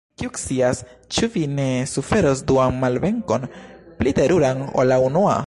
Kiu scias, ĉu vi ne suferos duan malvenkon, pli teruran ol la unua?